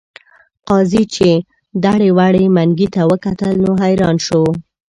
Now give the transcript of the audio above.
قاضي چې دړې وړې منګي ته وکتل نو حیران شو.